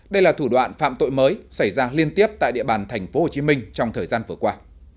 đây là thủ đoạn phạm tội mới xảy ra liên tiếp tại địa bàn tp hcm trong thời gian vừa qua